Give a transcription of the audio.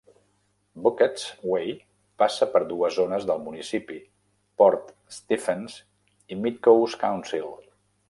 Bucketts Way passa per dues zones del municipi: Port Stephens i Mid-Coast Council.